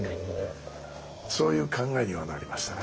そういう考えにはなりましたね。